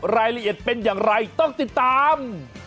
รายละเอียดเป็นอย่างไรต้องติดตาม